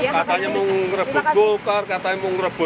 katanya mau ngerebut golkar katanya mau ngerebut